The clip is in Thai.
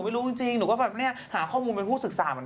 แต่ผู้หญิงก็เป็นดาราทั้งคู่ใช่ไหม